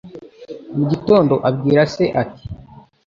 Mu gitondo abwira se ati